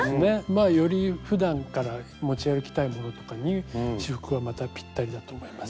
まあよりふだんから持ち歩きたいものとかに仕覆はまたぴったりだと思います。